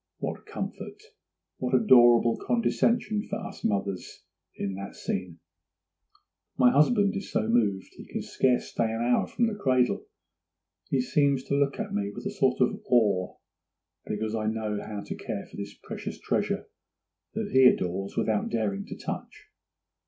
What comfort, what adorable condescension for us mothers in that scene! My husband is so moved he can scarce stay an hour from the cradle! He seems to look at me with a sort of awe, because I know how to care for this precious treasure that he adores without daring to touch.